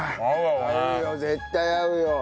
合うよ絶対合うよ。